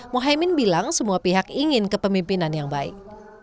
mohaimin bilang semua pihak ingin kepemimpinan yang baik